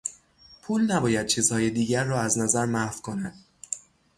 پول نباید چیزهای دیگر را از نظر محو کند.